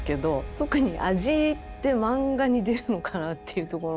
特に「味」って漫画に出るのかなっていうところもありますし。